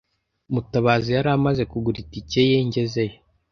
Mutabazi yari amaze kugura itike ye ngezeyo.